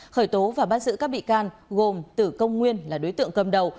khởi tố và bắt giữ các bị can gồm tử công nguyên là đối tượng cầm đầu